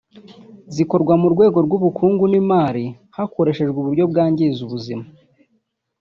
zikorwa mu rwego rw’ubukungu n’imari hakoreshejwe uburyo bwangiza ubuzima